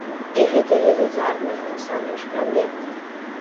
І гэта велізарная, насамрэч, праблема.